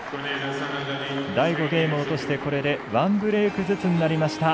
第５ゲーム落として１ブレークずつになりました。